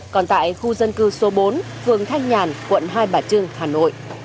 còn tại khu dân cư số bốn phường thanh nhàn quận hai bà trưng hà nội